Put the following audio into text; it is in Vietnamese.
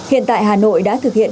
hiện tại hà nội đã thực hiện